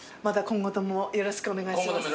今後ともよろしくお願いします。